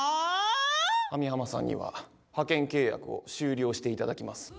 網浜さんには派遣契約を終了して頂きます。